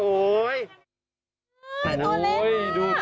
โอ้ยตัวเล็กมาก